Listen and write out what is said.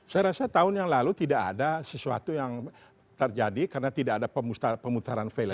saya rasa tahun yang lalu tidak ada sesuatu yang terjadi karena tidak ada pemutaran velop